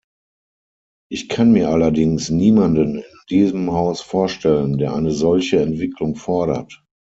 Ich kann mir allerdings niemanden in diesem Haus vorstellen, der eine solche Entwicklung fordert.